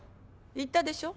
言ったでしょ？